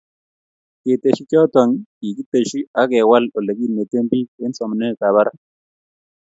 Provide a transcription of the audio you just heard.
keteshi choto, kigeteshi ak kewal olegineten biik eng somanetab barak